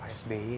pak sby ya